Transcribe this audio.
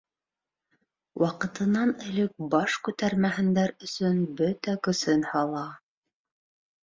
Ваҡытынан элек баш күтәрмәһендәр өсөн бөтә көсөн һала...